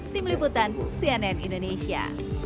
tim liputan cnn indonesia